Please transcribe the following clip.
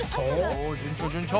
お順調順調。